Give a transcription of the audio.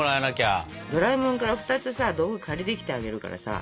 ドラえもんから２つさ道具借りてきてあげるからさ。